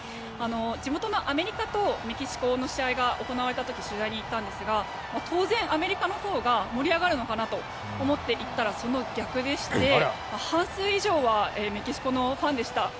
地元のアメリカとメキシコの試合が行われた時取材に行ったんですが当然、アメリカのほうが盛り上がるのかなと思っていたらその逆でして半数以上はメキシコのファンでした。